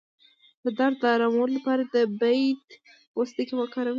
د درد د ارامولو لپاره د بید پوستکی وکاروئ